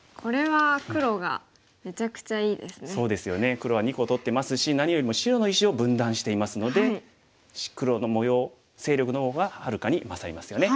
黒は２個取ってますし何よりも白の石を分断していますので黒の模様勢力の方がはるかに勝りますよね。